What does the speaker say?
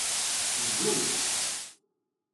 Bdumt.